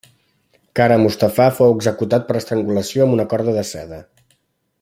Kara Mustafà fou executat per estrangulació amb una corda de seda.